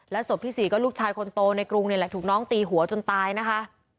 และศพที่๔ก็ลูกชายคนโตในกรุงถูกน้องตีหัวจนตายนะคะ